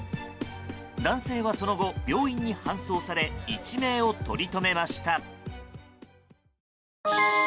男性はその後、病院に搬送され一命を取り留めました。